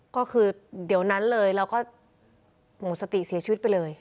ก็คือเดี๋ยวนั้นเลยเราก็หมดสติเสียชีวิตไปเลย